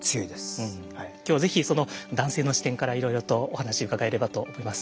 今日ぜひその男性の視点からいろいろとお話伺えればと思います。